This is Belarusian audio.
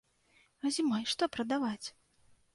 А зімой што прадаваць?